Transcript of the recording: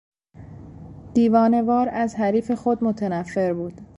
دیوانهوار از حریف خود متنفر بود.